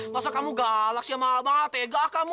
masa kamu galaksi emang tega kamu